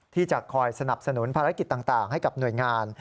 ที่จะคอยสนับสนุนภารกิจต่างให้กับหน่วยงาน